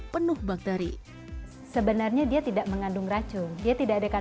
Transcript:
penuh bakteri sebenarnya dia tidak mengandung racun dia tidak ada ikan